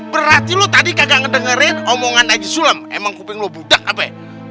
berarti lo tadi gak dengerin omongan najisulam emang kuping lo budak mbak be